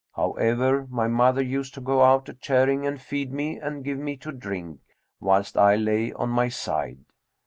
However, my mother used to go out a charing and feed me and give me to drink, whilst I lay on my side.